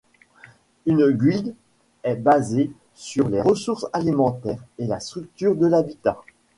Une guilde est basée sur les ressources alimentaires et la structure de l'habitat.